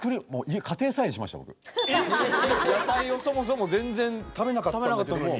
野菜をそもそも全然食べなかったのに？